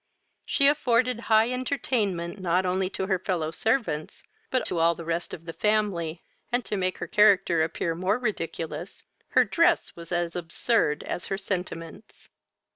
She afforded high entertainment not only to her fellow servants, but to all the rest of the family, and, to make her character appear more ridiculous, her dress was as absurd as her sentiments.